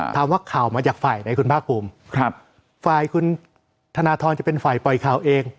ถามว่าข่าวมาจากฝ่ายไหนคุณภาคภูมิครับฝ่ายคุณธนทรจะเป็นฝ่ายปล่อยข่าวเอง